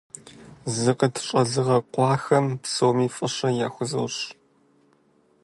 Зыкъытщӏэзыгъэкъуахэм псоми фӀыщӀэ яхузощӀ.